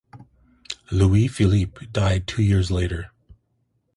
Louis Philippe died two years later.